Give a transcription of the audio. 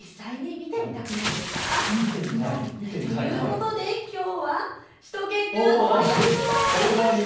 見てみたい。ということで、きょうはしゅと犬くん早着替えしました。